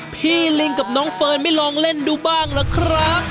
ลิงกับน้องเฟิร์นไม่ลองเล่นดูบ้างล่ะครับ